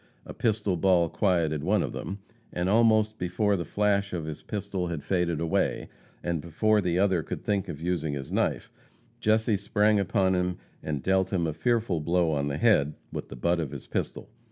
A pistol ball quieted one of them, and almost before the flash of his pistol had faded away, and before the other could think of using his knife, Jesse sprang upon him and dealt him a fearful blow on the head with the butt of his pistol.